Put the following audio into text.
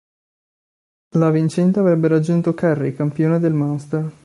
La vincente avrebbe raggiunto Kerry, campione del Munster.